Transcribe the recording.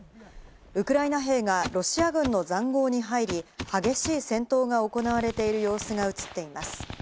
ウクライナ兵がロシア軍の塹壕に入り、激しい戦闘が行われている様子が映っています。